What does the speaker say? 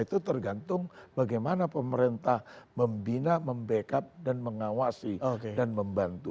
itu tergantung bagaimana pemerintah membina membackup dan mengawasi dan membantu